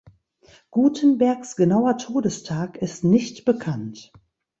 Gutenbergs genauer Todestag ist nicht bekannt.